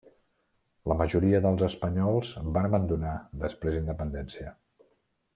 La majoria dels espanyols van abandonar després independència.